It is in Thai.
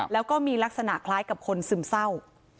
แล้วก็มีลักษณะคล้ายกับคนซึมเศร้า